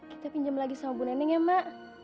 kita pinjam lagi sama bu neneng ya mbak